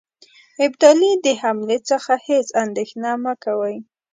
ابدالي د حملې څخه هیڅ اندېښنه مه کوی.